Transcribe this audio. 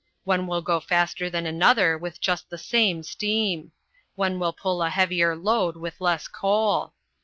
One will go faster than another with just the same steam. One will pull a heavier load with less coal.